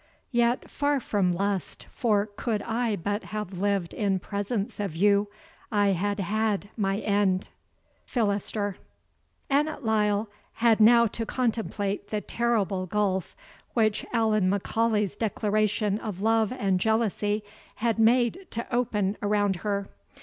Yet far from lust, for could I but have lived In presence of you, I had had my end. PHILASTER. Annot Lyle had now to contemplate the terrible gulf which Allan M'Aulay's declaration of love and jealousy had made to open around her.